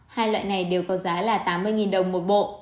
hai loại này đều có giá là tám mươi đồng một bộ